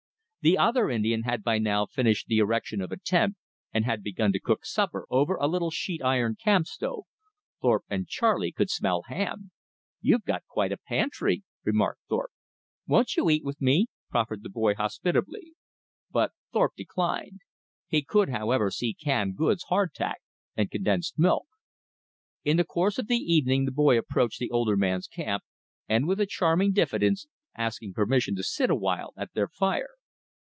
The other Indian had by now finished the erection of a tent, and had begun to cook supper over a little sheet iron camp stove. Thorpe and Charley could smell ham. "You've got quite a pantry," remarked Thorpe. "Won't you eat with me?" proffered the boy hospitably. But Thorpe declined. He could, however, see canned goods, hard tack, and condensed milk. In the course of the evening the boy approached the older man's camp, and, with a charming diffidence, asked permission to sit awhile at their fire.